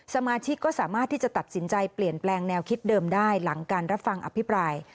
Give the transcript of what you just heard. สมาชิกก็สามารถที่จะตัดสินใจเปลี่ยนแปลงแนวคิดเดิมได้หลังการรับฟังอภิปราย